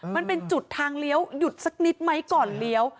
มันเป็นจุดทางเลี้ยวหยุดสักนิดไหมก่อนเลี้ยว